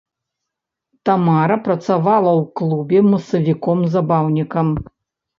Тамара працавала ў клубе масавіком-забаўнікам.